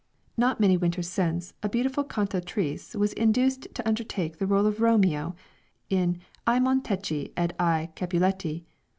Not many winters since, a beautiful cantatrice was induced to undertake the role of Romeo in "I Montecchi ed I Capuletti."